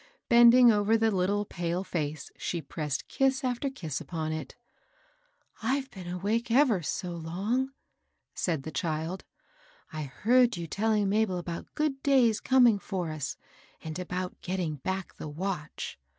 Bend ing over the little, pale face, she pressed kiss after kiss upon it. " I've been awake ever so long," said the child. ^^I heard you telling Mabel about good days coming for us, and about getting back the watch.